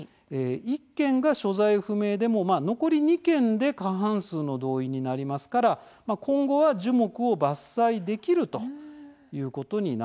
１軒が所在不明でも残り２軒で過半数の同意になりますからまあ今後は樹木を伐採できるということになるわけですね。